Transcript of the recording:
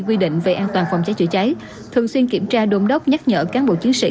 quy định về an toàn phòng cháy chữa cháy thường xuyên kiểm tra đôn đốc nhắc nhở cán bộ chiến sĩ